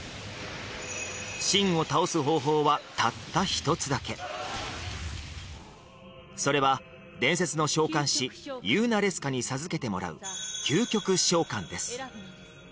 シンを倒す方法はたった一つだけそれは伝説の召喚士ユウナレスカに授けてもらう究極召喚です